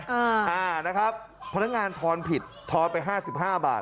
อ่านะครับพนักงานทอนผิดทอนไป๕๕บาท